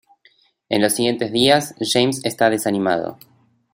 En los siguientes días, James está desanimado.